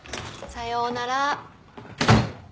さようなら。